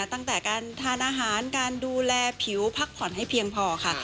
ตั้งแต่การทานอาหารการดูแลผิวพักผ่อนให้เพียงพอค่ะ